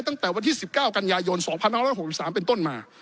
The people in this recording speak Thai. ตั้งแต่วันที่๑๙กันยายน๒๕๖๓เป็นต้นมา